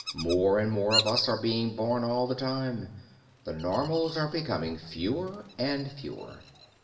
More and more of us are being born all the time; the Normals are becoming fewer and fewer.